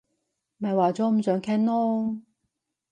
咪話咗唔想傾囉